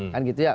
kan gitu ya